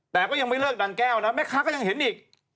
แต่ก็ยังไม่เลิกดันแก้วนะแม่ค้าก็ยังเห็นอีก